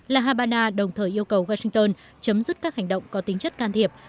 la habana đồng thời yêu cầu washington chấm dứt các hành động có tính chất can thiệp